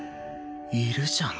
いるじゃん